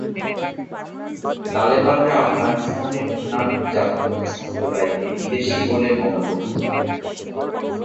তালেবানরা আফগানিস্তানের অন্যান্য জাতিগত সম্প্রদায়কে বিদেশী বলে মনে করত।